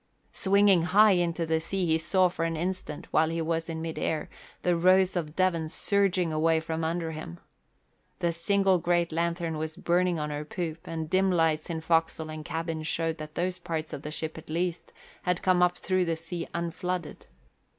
Swinging high over the sea he saw for an instant, while he was in mid air, the Rose of Devon surging away from under him. The single great lanthorn was burning on her poop, and dim lights in forecastle and cabin showed that those parts of the ship, at least, had come up through the sea unflooded.